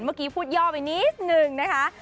เมื่อกี้พูดย่อไปนิดนึงนะคะ